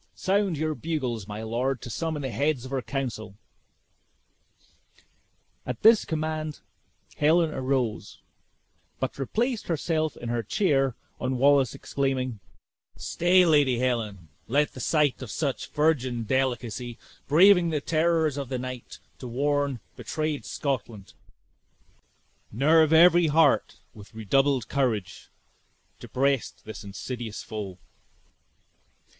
Sound your bugles, my lord, to summon the heads of our council." At this command, Helen arose, but replaced herself in her chair on Wallace exclaiming, "Stay, Lady Helen, let the sight of such virgin delicacy, braving the terrors of the night to warn betrayed Scotland, nerve every heart with redoubled courage to breast this insidious foe!"